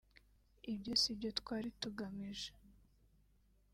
Ibyo si byo twari tugamije